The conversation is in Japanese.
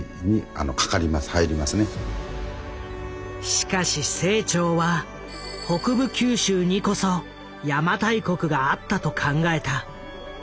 しかし清張は北部九州にこそ邪馬台国があったと考えた。